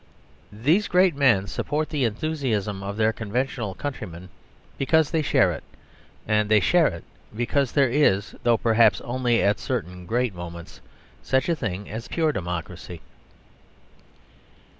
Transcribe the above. These great men support the enthusiasm of their conventional countrymen because they share it; and they share it because there is (though perhaps only at certain great moments) such a thing as pure democracy.